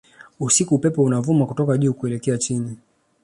Usiku upepo unavuma kutoka juu kuelekea chini